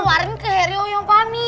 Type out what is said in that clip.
nauarin ke harry oyoung sama fanny